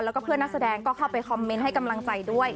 แล้วก็เพื่อนนักแสดงก็เข้าไปคอมเมนต์ให้กำลังใจด้วย